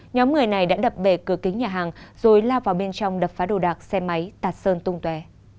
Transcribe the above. nhóm người này đã đập bể cửa kính nhà hàng rồi lao vào bên trong đập phá đồ đạc xe máy tạt sơn tung té